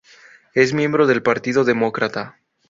Es miembro del partido demócrata.